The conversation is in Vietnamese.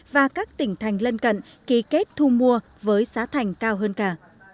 và các tỉnh thành lân cận ký kết thu mua với giá thành cao hơn cả